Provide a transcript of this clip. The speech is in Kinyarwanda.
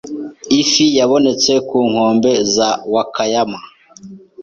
Ifi yabonetse ku nkombe za Wakayama.